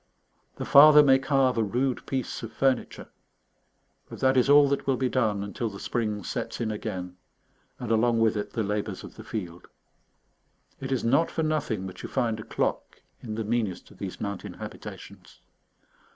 The father may carve a rude piece of furniture, but that is all that will be done until the spring sets in again, and along with it the labours of the field. It is not for nothing that you find a clock in the meanest of these mountain habitations.